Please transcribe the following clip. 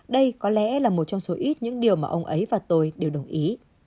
đây có lẽ là một trong số ít những điều mà ông ấy và tôi đều đồng ý